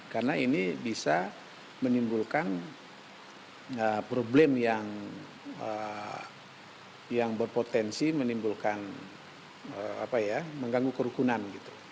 karena ini bisa menimbulkan problem yang berpotensi menimbulkan apa ya mengganggu kerukunan